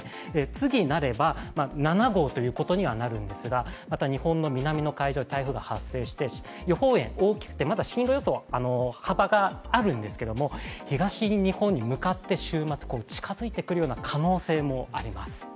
次になれば７号となるんですが、また日本の南の海上に台風が発生して予報円、大きくて進路予想幅があるんですけれども、東日本に向かって週末、近づいてくる可能性もあります。